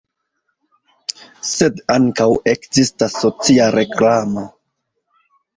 Sed ankaŭ ekzistas socia reklamo.